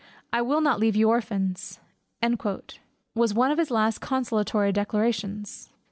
"I will not leave you orphans" was one of his last consolatory declarations.